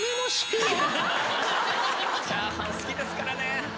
チャーハン好きですからね。